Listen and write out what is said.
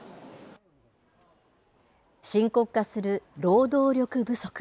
深刻化する労働力不足。